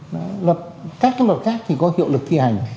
luật các cái luật khác thì có hiệu lực thi hành